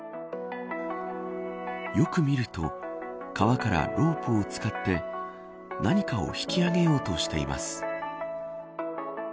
よく見ると川からロープを使って何かを引き揚げようとしています。